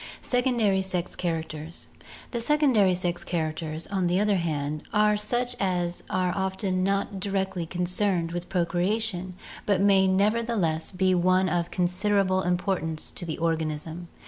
Secondary Sex Characters The secondary sex characters, on the other hand, are such as are often not directly concerned with procreation but may never theless be of considerable importance to the organism.